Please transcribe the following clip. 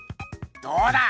どうだ！